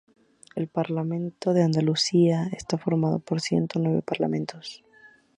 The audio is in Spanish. El Parlamento de Andalucía está formado por ciento nueve parlamentarios.